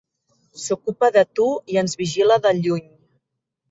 S'ocupa de tu i ens vigila de lluny.